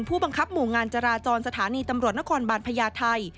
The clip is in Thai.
ผู้บังคับหมู่งานจราจรสถานีตำรวจนครบาลพญาไทย